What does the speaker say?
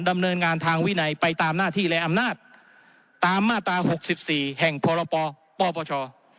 ดำเนินงานทางวินัยไปตามหน้าที่และอำนาจตามมาตรา๖๔แห่งพรปปช